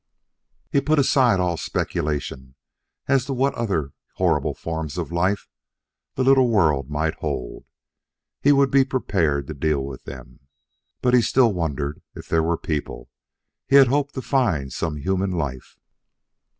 He put aside all speculation as to what other horrible forms of life the little world might hold: he would be prepared to deal with them. But he still wondered if there were people. He had hoped to find some human life.